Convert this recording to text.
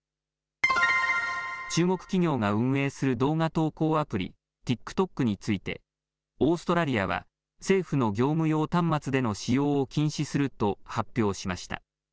中国企業が運営する動画投稿アプリ、ＴｉｋＴｏｋについてオーストラリアは政府の業務用端末での使用を禁止すると発表しました。